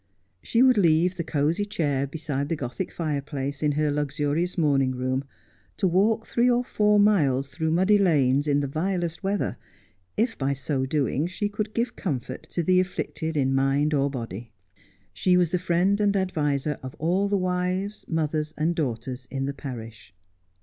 She would leave the cosy chair beside the Gothic fireplace in her luxurious morning room to walk three or four miles through muddy lanes in the vilest weather, if by so doing she could give comfort to the afflicted in mind or body. She was the friend and adviser of all the wives, mothers, and daughters in the parish.